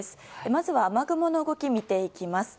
まずは雨雲の動き、見ていきます。